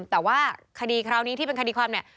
แต่ว่าคดีคราวนี้ที่เป็นคดีความเนี่ย